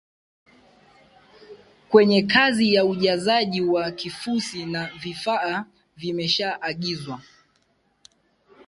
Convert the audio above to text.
kwenye kazi ya ujazaji wa kifusi na vifaa vimeshaagizwa